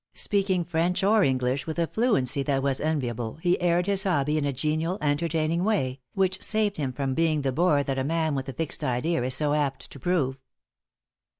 Speaking French or English with a fluency that was enviable, he aired his hobby in a genial, entertaining way, which saved him from being the bore that a man with a fixed idea is so apt to prove.